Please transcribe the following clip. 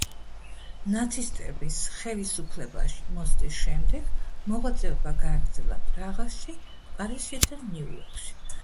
ნაცისტების ხელისუფლებაში მოსვლის შემდეგ მოღვაწეობა გააგრძელა პრაღაში, პარიზში და ნიუ-იორკში.